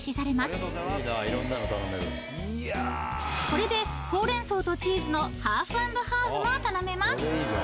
［これでほうれん草とチーズのハーフ＆ハーフも頼めます］